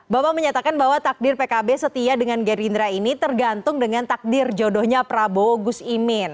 bapak menyatakan bahwa takdir pkb setia dengan gerindra ini tergantung dengan takdir jodohnya prabowo gus imin